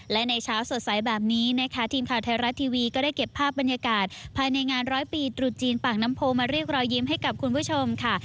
และในเช้าสดใสแบบนี้นะคะทีมข่าวไทยรัฐทีวีก็ได้เก็บภาพบรรยากาศภายในงานร้อยปีตรุษจีนปากน้ำโพมาเรียกรอยยิ้มให้กับคุณผู้ชมค่ะ